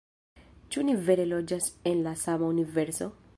Ĉu ni vere loĝas en la sama universo?